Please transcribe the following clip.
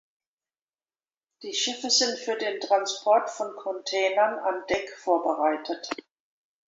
Die Schiffe sind für den Transport von Containern an Deck vorbereitet.